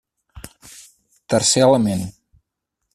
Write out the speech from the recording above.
Tercer element.